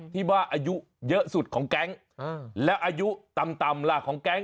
ที่ว่าอายุเยอะสุดของแก๊งแล้วอายุต่ำล่ะของแก๊ง